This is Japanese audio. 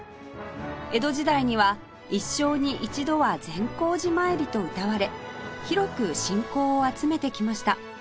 江戸時代には「一生に一度は善光寺詣り」とうたわれ広く信仰を集めてきました